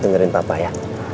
dengerin papa ya